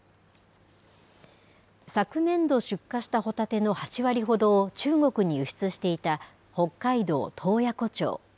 昨年度出荷したホタテの８割ほどを中国に輸出していた北海道洞爺湖町。